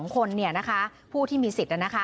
๑๒๒๕๘๒คนผู้ที่มีสิทธิ์นะคะ